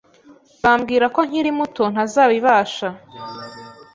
bambwira ko nkiri muto ntazabibasha.